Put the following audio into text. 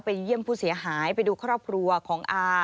เยี่ยมผู้เสียหายไปดูครอบครัวของอา